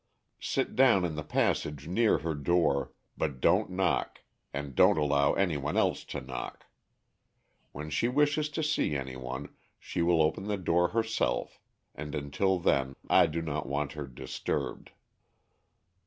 Sit down in the passage near her door, but don't knock, and don't allow any one else to knock. When she wishes to see any one she will open the door herself, and until then I do not want her disturbed."